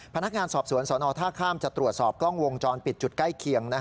พนักงานสอบสวนสนท่าข้ามจะตรวจสอบกล้องวงจรปิดจุดใกล้เคียง